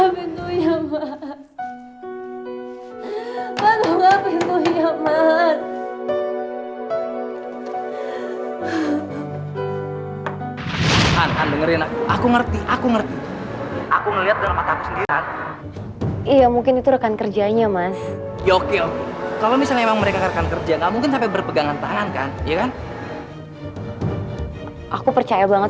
biar gini selamat